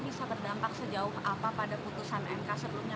bisa berdampak sejauh apa pada putusan mk sebelumnya